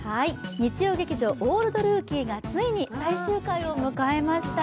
日曜劇場「オールドルーキー」がついに最終回を迎えました。